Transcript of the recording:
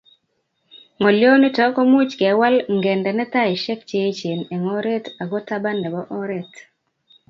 ngolyonito komuch kewal ngendeno taishek cheechen eng oret ago taban nebo oret